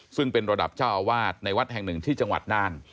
ซึ่งเป็นระดับเจ้าอาวาสในวัดแห่งหนึ่งที่จังหวัดน่าน